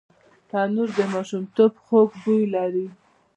تنور د ماشومتوب خوږ بوی لري